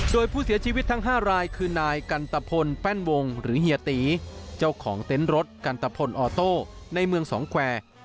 โดยผู้เสียชีวิตทั้ง๕รายคือนายกันตะพลแป้นวงหรือเฮียตีเจ้าของเต็นต์รถกันตะพลออโต้ในเมืองสองแควร์